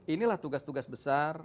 inilah tugas tugas besar